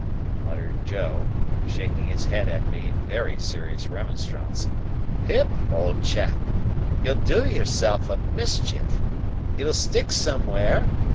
muttered Joe, shaking his head at me in very serious remonstrance. "Pip, old chap! You'll do yourself a mischief. It'll stick somewhere.